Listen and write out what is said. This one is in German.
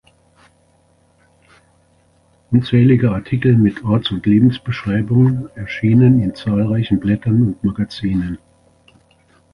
Unzählige Artikel mit Orts- und Lebensbeschreibungen erschienen in zahlreichen Blättern und Magazinen.